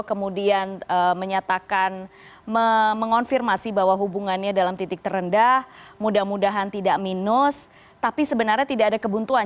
kemudian menyatakan mengonfirmasi bahwa hubungannya dalam titik terendah mudah mudahan tidak minus tapi sebenarnya tidak ada kebuntuan